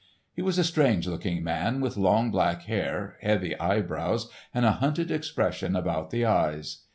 He was a strange looking man, with long black hair, heavy eyebrows, and a hunted expression about the eyes.